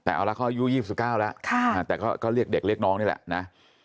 แต่เอาละก็อายุยี่สิบสิบเก้าแล้วค่ะแต่ก็ก็เรียกเด็กเรียกน้องนี่แหละนะ